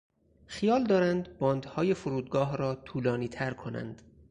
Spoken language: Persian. خیال دارند باندهای فرودگاه را طولانیتر کنند.